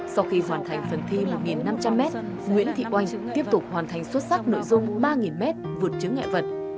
sau khi hoàn thành phần thi một năm trăm linh m nguyễn thị oanh tiếp tục hoàn thành xuất sắc nội dung ba m vượt chứng ngại vật